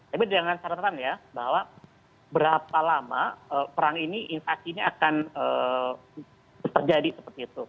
tapi dengan syaratan ya bahwa berapa lama perang ini invasinya akan terjadi seperti itu